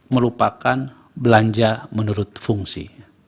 melupakan belanja menurut fungsi